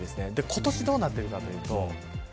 今年どうなっているかというと。